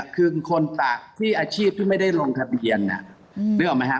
คือคนตากที่อาชีพที่ไม่ได้ลงทะเบียนนึกออกไหมฮะ